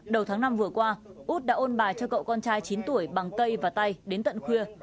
đầu tháng năm vừa qua út đã ôn bà cho cậu con trai chín tuổi bằng cây và tay đến tận khuya